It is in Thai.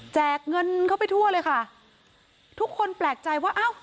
เงินเข้าไปทั่วเลยค่ะทุกคนแปลกใจว่าอ้าว